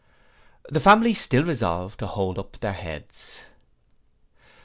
The family still resolve to hold up their heads.